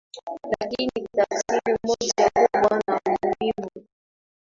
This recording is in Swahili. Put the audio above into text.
lakini tafsiri moja kubwa na muhimu